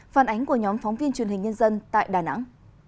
phản ánh của nhóm phóng viên truyền hình nhân dân tại đà nẵng